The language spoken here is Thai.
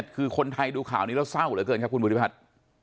คือคนไทยดูข่าวนี้แล้วเศร้าเหลือเกินครับคุณบุริพัฒน์